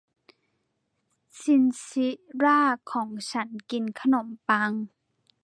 ชินชิล่าของฉันกินขนมปัง